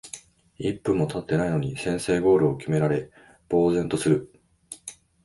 一分もたってないのに先制ゴールを決められ呆然とする